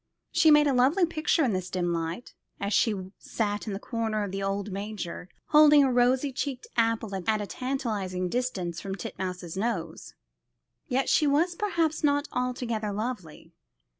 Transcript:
She made a lovely picture in this dim light, as she sat in the corner of the old manger, holding a rosy cheeked apple at a tantalising distance from Titmouse's nose: yet she was perhaps not altogether lovely.